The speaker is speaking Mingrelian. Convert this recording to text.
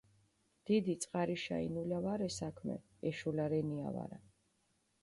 დიდი წყარიშა ინულა ვარე საქმე ეშულა რენია ვარა